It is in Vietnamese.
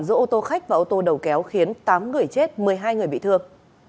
giữa ô tô khách và ô tô đầu kéo khiến tám người chết một mươi hai người bị thương